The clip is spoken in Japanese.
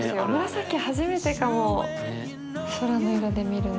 紫初めてかも空の色で見るの。